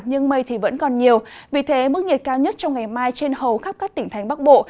nhưng mây thì vẫn còn nhiều vì thế mức nhiệt cao nhất trong ngày mai trên hầu khắp các tỉnh thành bắc bộ